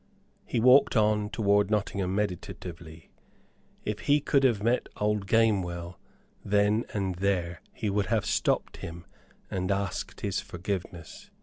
He walked on toward Nottingham meditatively. If he could have met old Gamewell then and there he would have stopped him and asked his forgiveness.